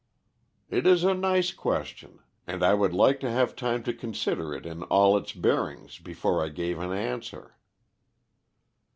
"It is a nice question, and I would like to have time to consider it in all its bearings before I gave an answer."